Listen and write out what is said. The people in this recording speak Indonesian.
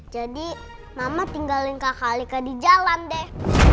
jadi mama tinggalin kakak alika di jalan deh